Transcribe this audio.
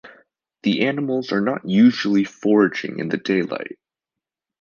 The animals are not usually foraging in the daylight.